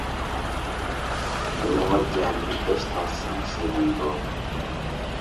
ئۇنىڭغا جەمئىي بەش تال سىم سېلىنىدۇ.